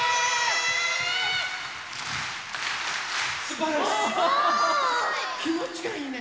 すばらしい！